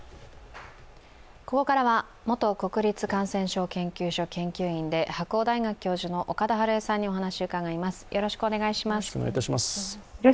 ここからは元国立感染症研究所研究員で白鴎大学教授の岡田晴恵さんにお話、伺います。